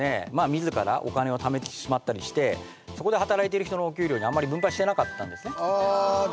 自らお金をためてしまったりしてそこで働いている人のお給料にあんまり分配してなかったんですああ